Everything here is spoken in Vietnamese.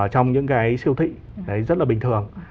trong những cái siêu thị rất là bình thường